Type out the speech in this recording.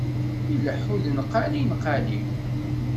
Ileḥḥu d nnqali nnqali.